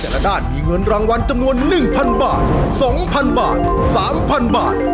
ด้านมีเงินรางวัลจำนวน๑๐๐บาท๒๐๐บาท๓๐๐บาท